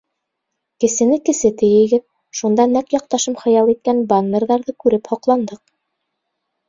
Кесене кесе тейегеҙ, Шунда нәҡ яҡташым хыял иткән баннерҙарҙы күреп һоҡландыҡ.